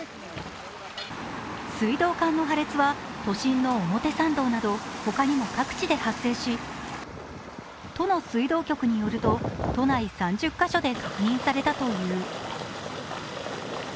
水道管の破裂は都心の表参道など他にも各地で発生し、都の水道局によると、都内３０カ所で確認されたという。